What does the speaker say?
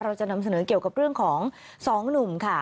เราจะนำเสนอเกี่ยวกับเรื่องของ๒หนุ่มค่ะ